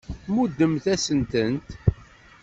Tmuddemt-asent-tent.